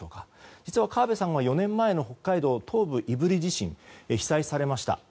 実は川部さんは４年前の北海道胆振地震で被災されました。